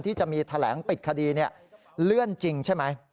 ที่จะมีแถลงปิดคดีเลื่อนจริงใช่ไหม